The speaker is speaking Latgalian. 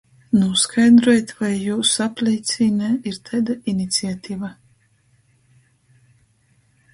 Nūskaidrojit, voi jūsu apleicīnē ir taida iniciativa.